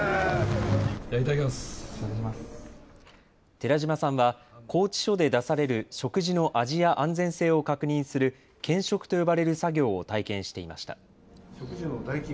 寺島さんは拘置所で出される食事の味や安全性を確認する検食と呼ばれる作業を体験していました。